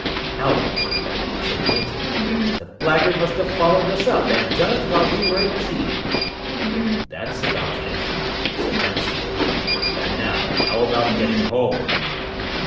"Albert!" said Linton. "The blackguard must have followed us up and done it while we were at tea." "That's about it," said Dunstable. "And now how about getting home?"